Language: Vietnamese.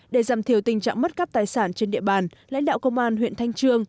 để giảm thiểu tình trạng mất cắp tài sản trên địa bàn lãnh đạo công an huyện thanh trương